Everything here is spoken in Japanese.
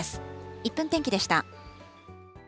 １分天気でした。